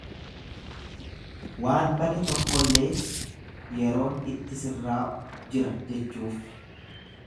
Waan bade tokkollee yeroon itti sirraa'u jira jechuuf.